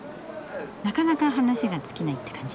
なかなか話が尽きないって感じ？